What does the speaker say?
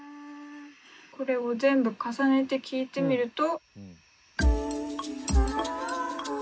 これを全部重ねて聴いてみると。